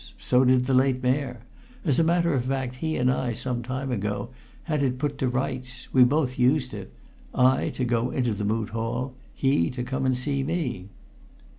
So did the late Mayor. As a matter of fact, he and I, some time ago, had it put to rights. We both used it; I, to go into the Moot Hall; he, to come and see me."